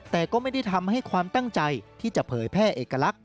แต่ก็ไม่ได้ทำให้ความตั้งใจที่จะเผยแพร่เอกลักษณ